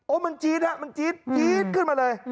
โอ้มันจี๊ดมันจี๊ดจี๊ดขึ้นมาเลย